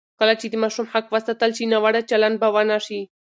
کله چې د ماشوم حق وساتل شي، ناوړه چلند به ونه شي.